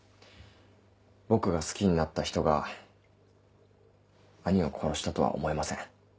僕が好きになった人が兄を殺したとは思えません。